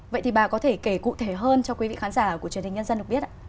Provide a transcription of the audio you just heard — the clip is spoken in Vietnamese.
vậy thì bà có thể kể cụ thể hơn cho quý vị khán giả của truyền hình nhân dân được biết ạ